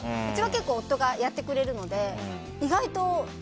うちは結構夫がやってくれるので意外と。